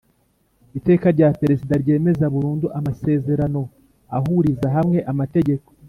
Iteka rya Perezida ryemeza burundu amasezerano ahuriza hamwe amategeko